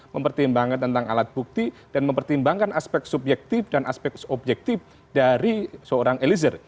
mempertimbangkan tentang alat bukti dan mempertimbangkan aspek subjektif dan aspek subjektif dari seorang eliezer